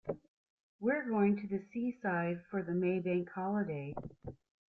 We're going to the seaside for the May bank holiday